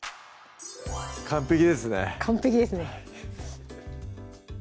完璧ですね完璧ですね